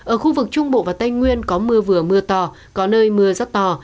ở khu vực trung bộ và tây nguyên có mưa vừa mưa to có nơi mưa rất to